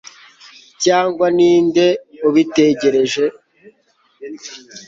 cyangwa ni nde ubitegereje